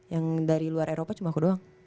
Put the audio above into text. yang dari luar eropa cuma aku doang